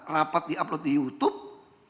rapat di upload di youtube